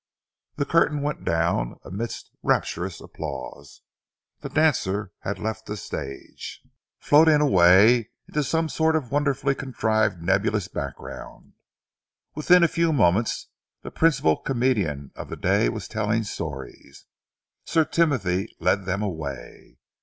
The curtain went down amidst rapturous applause. The dancer had left the stage, floating away into some sort of wonderfully contrived nebulous background. Within a few moments, the principal comedian of the day was telling stories. Sir Timothy led them away.